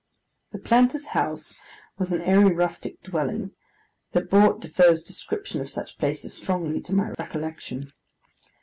The planter's house was an airy, rustic dwelling, that brought Defoe's description of such places strongly to my recollection.